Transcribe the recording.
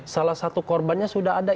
salah satu korbannya sudah ada